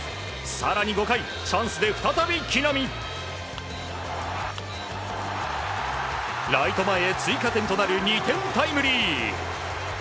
更に５回チャンスで再び木浪ライト前へ追加点となる２点タイムリー！